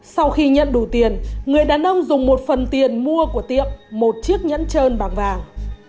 sau khi nhận đủ tiền người đàn ông dùng một phần tiền mua của tiệm một chiếc nhẫn trơn bằng vàng